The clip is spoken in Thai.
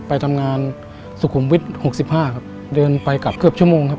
ไปทำงานสุขุมวิทย์๖๕ครับเดินไปกลับเกือบชั่วโมงครับ